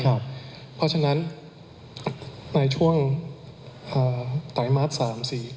เพราะฉะนั้นในช่วงไตรมาส๓๔